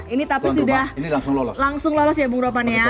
ini tapi sudah langsung lolos ya bung ropan ya